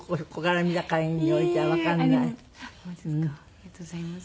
ありがとうございます。